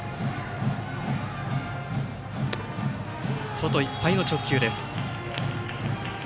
外いっぱいの直球です。